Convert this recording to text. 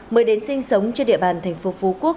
mới đến sinh sống trên địa bàn thành phố phú quốc